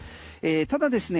ただですね